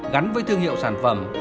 gắn với thương hiệu sản phẩm